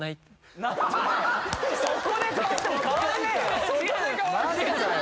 そこで替わっても変わんねえよ